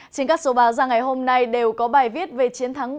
trên các số báo ra ngày hôm nay đều có bài viết về chiến thắng